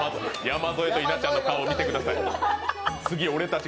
山添と稲ちゃんの顔を見てください。